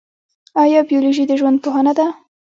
ایا بیولوژي د ژوند پوهنه ده؟